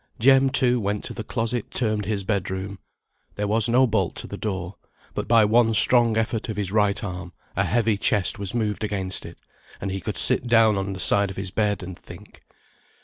Jem, too, went to the closet termed his bed room. There was no bolt to the door; but by one strong effort of his right arm, a heavy chest was moved against it, and he could sit down on the side of his bed, and think.